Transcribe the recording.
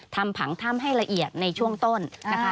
ผังถ้ำให้ละเอียดในช่วงต้นนะคะ